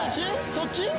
そっち？